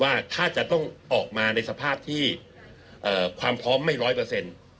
ว่าถ้าจะต้องออกมาในสภาพที่ความพร้อมไม่ร้อยเปอร์เซ็นต์